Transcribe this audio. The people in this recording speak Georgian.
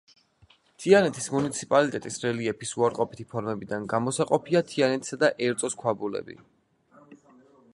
თიანეთის მუნიციპალიტეტის რელიეფის უარყოფითი ფორმებიდან გამოსაყოფია თიანეთისა და ერწოს ქვაბულები.